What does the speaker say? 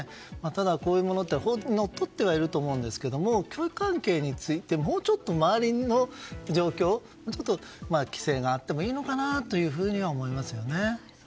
ただ、こういうものって教育関係についてもうちょっと周りの状況規制があってもいいのかなとは思いますよね。